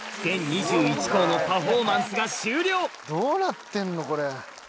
これでどうなってんのこれ。